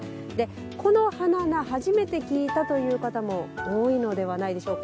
この花菜初めて聞いたという方も多いのではないでしょうか。